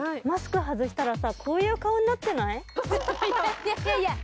マスク外したらこういう顔になってない？